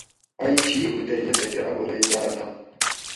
ائی چھی ہُو تے یہ تھکہ اۤ بورئی زاۤر دۤم